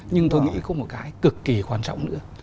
nhưng tôi nghĩ có một cái cực kỳ quan trọng nữa